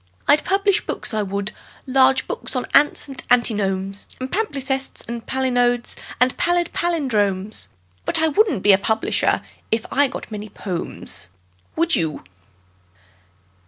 I'd publish books, I would large books on ants and antinomes And palimpsests and palinodes and pallid pallindromes: But I wouldn't be a publisher if .... I got many "pomes." Would you?